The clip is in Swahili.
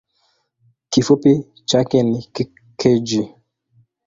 Kifupi chake ni kg.